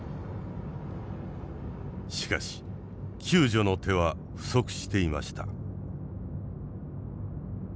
しかし救助の手は不足していました。